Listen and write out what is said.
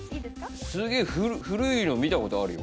すげえ古いの見たことあるよ